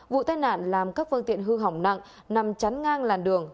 vụ tai nạn làm các phương tiện hư hỏng nặng nằm chắn ngang làn đường